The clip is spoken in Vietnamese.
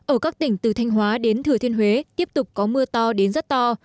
ở các tỉnh từ thanh hóa đến thừa thiên huế tiếp tục có mưa to đến rất to